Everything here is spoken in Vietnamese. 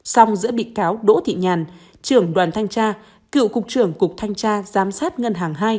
song giữa bị cáo đỗ thị nhàn trưởng đoàn thanh tra cựu cục trưởng cục thanh tra giám sát ngân hàng hai